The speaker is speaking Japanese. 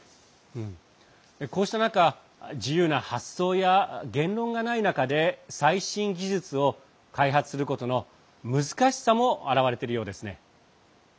こうした中自由な発想や言論がない中で最新技術を開発することの難しさも表れているようですね。